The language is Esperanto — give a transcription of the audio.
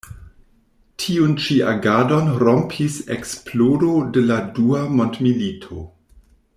Tiun ĉi agadon rompis eksplodo de la dua mondmilito.